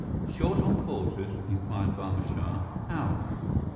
"Short on porters?" inquired Barma Shah. "How?"